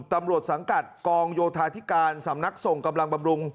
ตำรวจสังกัดกองโยธาธิการสำนักส่งกำลังบำรุง